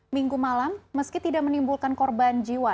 minggu malam meski tidak menimbulkan korban jiwa